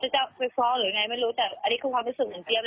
จะไปฟังหรือน่ะไม่รู้แต่นี่คือความรู้สึกของเจ๊บแล้วดียาก